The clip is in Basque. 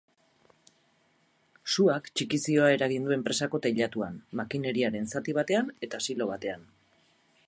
Suak txikizioa eragin du enpresako teilatuan, makineriaren zati batean eta silo batean.